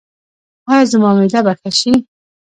ایا زما معده به ښه شي؟